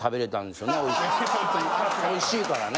おいしいからね。